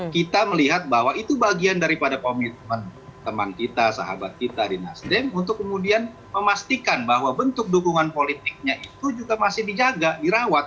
kita melihat bahwa itu bagian daripada komitmen teman kita sahabat kita di nasdem untuk kemudian memastikan bahwa bentuk dukungan politiknya itu juga masih dijaga dirawat